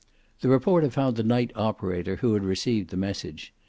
The reporter found the night operator who had received the message.